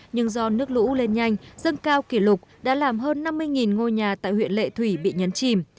nhưng do nước lũ lên nhanh dân cao kỷ lục đã làm hơn năm mươi ngôi nhà tại huyện lệ thủy bị nhấn chìm